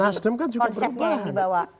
nasdem kan juga berubahan